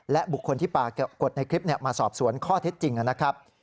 และบุคคลที่ปรากฏในคลิปมาสอบสวนข้อเท็จจริงนะครับ